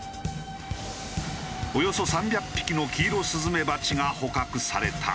およそ３００匹のキイロスズメバチが捕獲された。